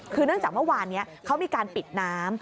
คือเนื่องจากเมื่อวานนี้เขามีการปิดน้ำ